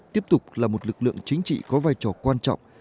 tiếp tục là một lực lượng chính trị có vai trò quan trọng